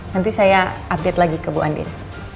nanti saya update lagi ke bu andir